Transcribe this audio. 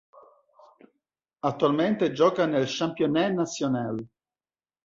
Attualmente gioca nel Championnat National.